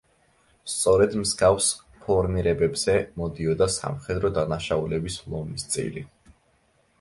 სწორედ მსგავს ფორმირებებზე მოდიოდა სამხედრო დანაშაულების ლომის წილი.